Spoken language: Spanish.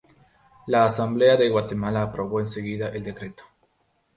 La Asamblea de Guatemala aprobó enseguida el decreto.